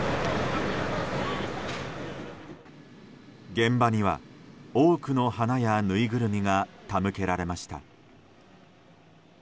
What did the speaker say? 現場には多くの花や、ぬいぐるみが手向けられました。